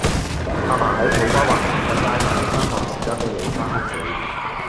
亞爸喺土瓜灣盛德街買左三磅士多啤梨返屋企